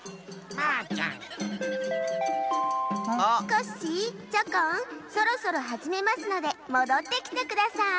コッシーチョコンそろそろはじめますのでもどってきてください。